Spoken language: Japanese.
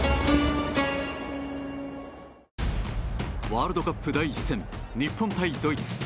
ワールドカップ第１戦日本対ドイツ。